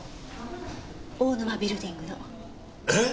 大沼ビルディングの。えっ！？